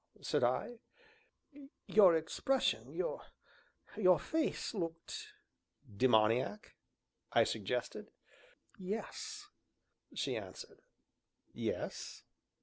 said I. "Your expression your face looked " "Demoniac?" I suggested. "Yes," she answered. "Yes?"